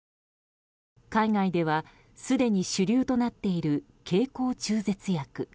海外では、すでに主流となっている経口中絶薬。